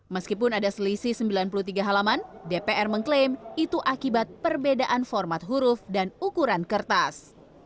meskipun ada selisih sembilan puluh tiga halaman dpr mengklaim itu akibat perbedaan format huruf dan ukuran kertas